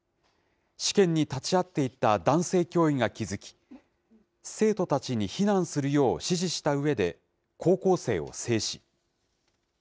試験に立ち会っていた男性教員が気付き、生徒たちに避難するよう指示したうえで、高校生を制止。